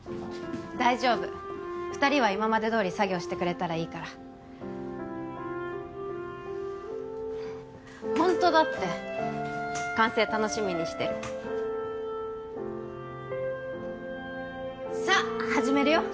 大丈夫２人は今までどおり作業してくれたらいいからホントだって完成楽しみにしてるさあ始めるよ